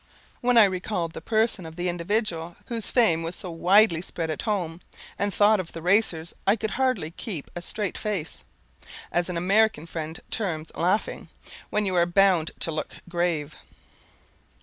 When I recalled the person of the individual whose fame was so widely spread at home, and thought of the racers, I could hardly keep a "straight face," as an American friend terms laughing, when you are bound to look grave.